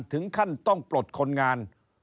ถึงขั้นต้องปลดคนงาน